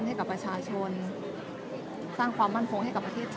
และที่อยู่ด้านหลังคุณยิ่งรักนะคะก็คือนางสาวคัตยาสวัสดีผลนะคะ